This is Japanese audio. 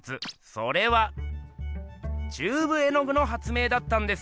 それはチューブ絵具の発明だったんです！